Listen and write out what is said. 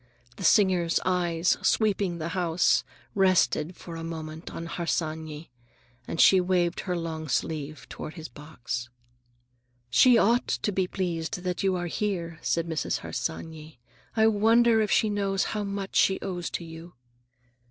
The singer's eyes, sweeping the house, rested for a moment on Harsanyi, and she waved her long sleeve toward his box. "She ought to be pleased that you are here," said Mrs. Harsanyi. "I wonder if she knows how much she owes to you."